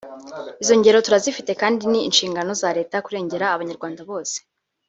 Izo ngero turazifite kandi ni inshingano za leta kurengera abanyarwanda bose